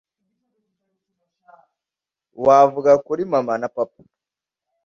wavuga kuri mama na papa